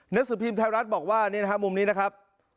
นักศึกภีมไทยรัฐบอกว่านี่นะครับมุมนี้นะครับ